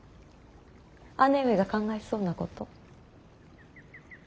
姉上が考えそうなこと。